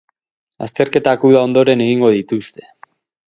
Azterketak uda ondoren egingo dituzte.